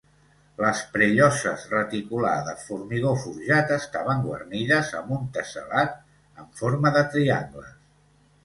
Les prelloses reticular de formigó forjat estaven guarnides amb un tessel·lat en forma de triangles.